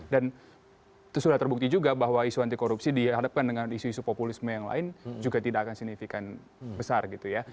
dan itu sudah terbukti juga bahwa isu anti korupsi dihadapkan dengan isu isu populisme yang lain juga tidak akan signifikan besar gitu ya